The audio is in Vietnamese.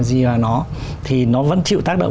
gì vào nó thì nó vẫn chịu tác động